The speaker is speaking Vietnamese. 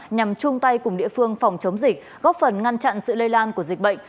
nhằm chung tay cùng địa phương phòng chống dịch góp phần ngăn chặn sự lây lan của dịch bệnh